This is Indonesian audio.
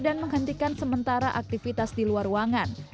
dan menghasilkan sementara aktivitas di luar ruangan